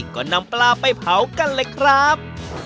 ก็นำปลาไปเผากันเลยครับ